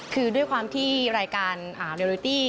คือด้วยความที่รายการเรริตี้